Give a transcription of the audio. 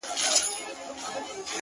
زه وايم دا،